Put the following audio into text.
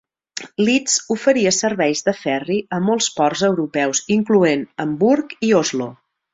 Leith oferia serveis de ferri a molts ports europeus, incloent Hamburg i Oslo.